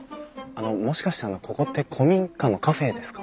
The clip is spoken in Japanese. あのもしかしてここって古民家のカフェですか？